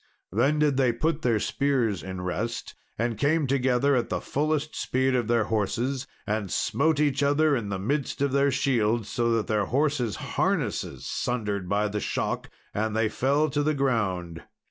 Then did they put their spears in rest, and came together at the fullest speed of their horses, and smote each other in the midst of their shields, so that their horses' harness sundered by the shock, and they fell to the ground.